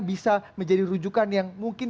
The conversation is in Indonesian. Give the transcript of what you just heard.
bisa menjadi rujukan yang mungkin